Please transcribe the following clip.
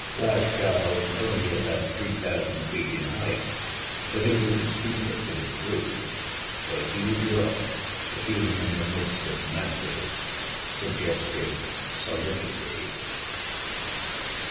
Glashgar was only about three thousand feet in height, but it was the steepest of its group a huge rock that, even in the midst of masses, suggested solidity.